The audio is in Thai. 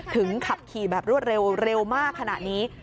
ขับขี่แบบรวดเร็วเร็วมากขนาดนี้